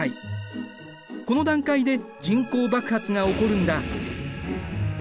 この段階で人口爆発が起こるんだ。